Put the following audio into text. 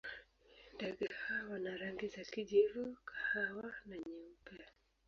Ndege hawa wana rangi za kijivu, kahawa na nyeupe.